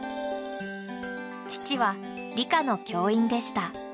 父は理科の教員でした。